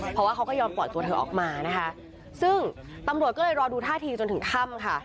เพราะว่าเขาก็ยอมปล่อยตัวเธอออกมานะคะซึ่งตำรวจก็เลยรอดูท่าทีจนถึงค่ำค่ะ